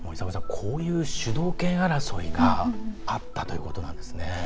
こういう主導権争いがあったということなんですね。